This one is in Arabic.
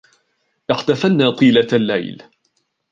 احتفلنا طيلة الليل